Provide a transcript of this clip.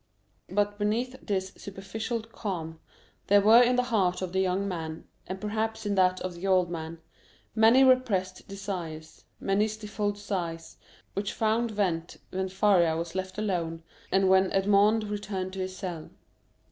But beneath this superficial calm there were in the heart of the young man, and perhaps in that of the old man, many repressed desires, many stifled sighs, which found vent when Faria was left alone, and when Edmond returned to his cell.